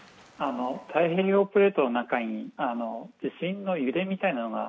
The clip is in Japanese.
太平洋プレートの中に地震の揺れみたいなのが